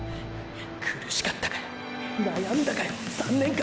苦しかったかよ悩んだかよ３年間。